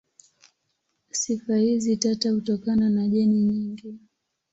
Sifa hizi tata hutokana na jeni nyingi.